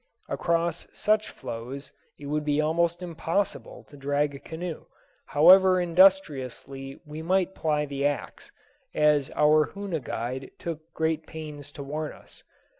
Across such floes it would be almost impossible to drag a canoe, however industriously we might ply the axe, as our Hoona guide took great pains to warn us.